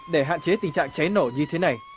để hạn chế tình trạng cháy nổ như thế này